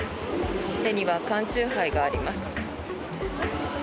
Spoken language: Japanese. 手には缶酎ハイがあります。